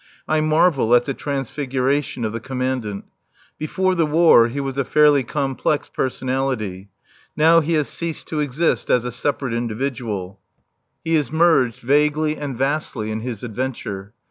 I marvel at the transfiguration of the Commandant. Before the War he was a fairly complex personality. Now he has ceased to exist as a separate individual. He is merged, vaguely and vastly, in his adventure.